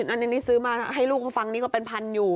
อันนี้ซื้อมาให้ลูกมาฟังนี่ก็เป็นพันอยู่